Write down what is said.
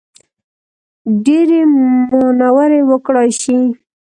ډېرې مانورې وکړای شي.